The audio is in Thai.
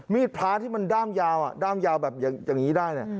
มีดพล้าที่มันด้ามยาวด้ามยาวแบบอย่างนี้ได้